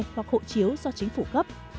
hoặc hộ chiếu do chính phủ gấp